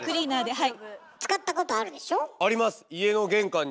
はい。